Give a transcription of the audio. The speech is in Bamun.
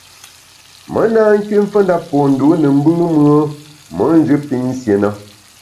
Me na nküt mfendap po ndû ne mbùm-ùe me njù pinsié na.